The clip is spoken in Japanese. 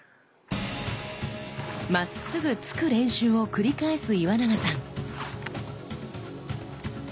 まっすぐ突く練習を繰り返す岩永さん。